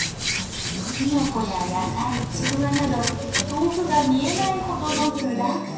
キノコや野菜ちくわなど豆腐が見えないほどの具だくさん。